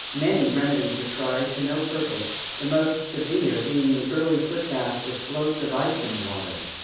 Many remedies were tried, to no purpose, the most severe being the early foot bath with floats of ice in the water.